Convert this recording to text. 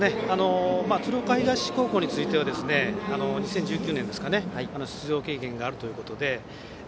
鶴岡東高校については２０１９年に出場経験があるということで。